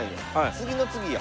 次の次や。